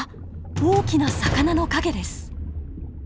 大きな魚の影です。